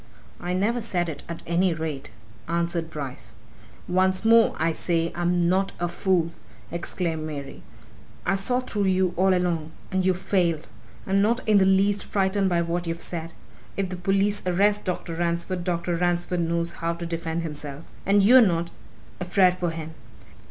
"I never said it, at any rate," answered Bryce. "Once more, I say, I'm not a fool!" exclaimed Mary. "I saw through you all along. And you've failed! I'm not in the least frightened by what you've said. If the police arrest Dr. Ransford, Dr. Ransford knows how to defend himself. And you're not afraid for him!